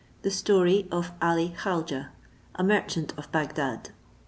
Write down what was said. THE STORY OF ALI KHAUJEH, A MERCHANT OF BAGDAD.